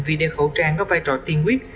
vì đeo khẩu trang có vai trò tiên quyết